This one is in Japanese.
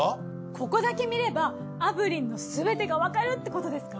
ここだけ見れば炙輪のすべてがわかるってことですか？